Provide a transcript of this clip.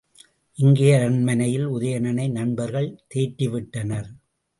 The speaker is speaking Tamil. இங்கே அரண்மனையில் உதயணனை நண்பர்கள் தேற்றிவிட்டனர்.